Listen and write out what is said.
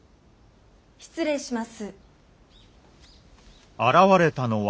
・失礼します。